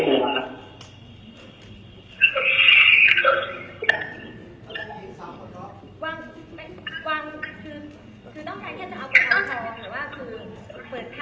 คือน้องคะคิดว่าจะเอาทางต่อหรือว่าคิดให้ล่วงหน้าไหมคะ